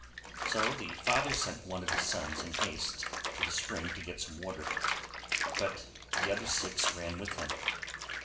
So the father sent one of his sons in haste to the spring to get some water, but the other six ran with him.